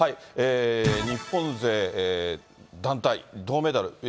日本勢、団体銅メダル。